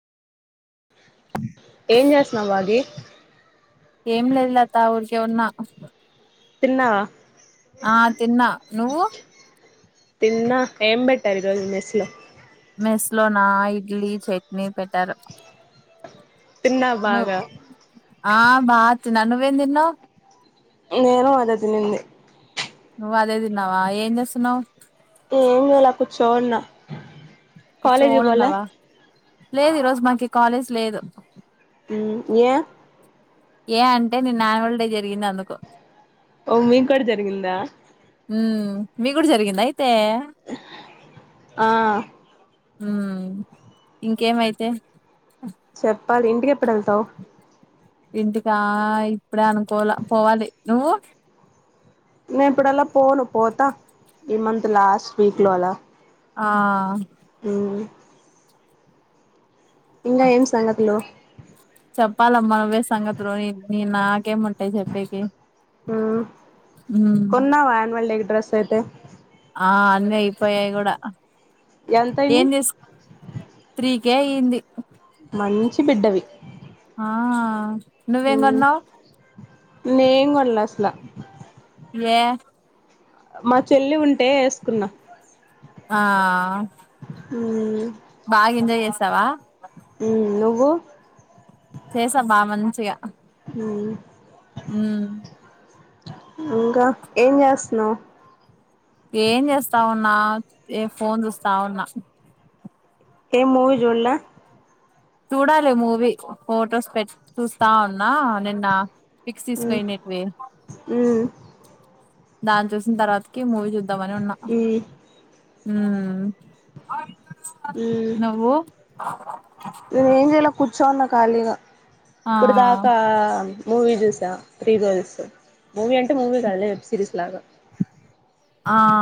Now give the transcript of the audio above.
ఏం చేస్తున్నవ్ బాగీ ఏం లేదు లత ఎవర్మా తిన్నావా ఆ తిన్నా నువ్వు తిన్నా. ఏం బెట్టారు ఈరోజు మెస్లో మెస్లోనా ఇడ్లీ, చట్నీ పెట్టారు. తిన్నా నువ్ బాగా ఆ బా తిన్న నువ్వేం తిన్నవ్ నేను అదే తినింది. నువ్వు అదే తిన్నవా ఏం చేస్తున్నవ్ ఏమిలె ఇలా కూర్చోనున్నా కూచోన్ ఉన్నవా లేదు ఈరోజు మాకి కాలేజ్ లేదు మ్ ఏ ఏ అంటే నీ ఆన్యువల్ డే జరిగింది అందుకు ఓ మిక్కూడా జరిగిందా హ్మ్ మీక్ కూడా జరిగిందా అయితే ఆ ఉ ఇంకేమైతే చెప్పాలి ఇంటికి ఎప్పుడు వెళ్తావు ఇంటికా ఇప్పుడే అనుకోల పోవాలి నువ్వు నేను ఇప్పుడలా పోను పోతా ఈ మంత్ లాస్ట్ వీక్ లో అలా ఆ ఆ ఇంకా ఏం సంగతులు చెప్పాలమ్మా నువ్వే సంగతులు నేను నా కేం ఉమ్ కొన్నావా అన్యూవల్డే కి డ్రెస్ [unintelligible] ఆ అన్నీ అయిపోయాయి కూడా ఎంతయినయి ఏం చేసు త్రీ కే అయ్యింది మంచి బిడ్డవి ఆ నువ్వెంకొన్నావ్ నేనేం కొన్లే అసలా ఏ మా చెల్లివి ఉంటే వేసుకున్నా ఆ అ బాగా ఎంజాయ్ చేసావా వో చేసా బా మంచిగా ఉమ్ హ ఇంకా ఏం చేస్తున్నావ్ ఏం చేస్తావున్నా ఏ ఫోన్ చూస్తా ఉన్నా ఏ మూవీ చూడలా చూడాలి మూవీ ఫొటోస్ పెట్ చూస్తా ఉన్నా నిన్న మ్మ్ [unintelligible] మ్మ్ దాని చూసిన తర్వాతకి మూవీ చూద ద్దామని ఉన్నా మ్మ్ ఆమ్ నువ్వు అ నేనేం చేయలే కూర్చోన్నా కాలిగా ఆ ఇప్పుడు దాకా మూవీ చూసా త్రీ రోల్స్ మూవీ అంటే మూవీ కాదులే వెబ్ సిరీస్ లాగా ఆ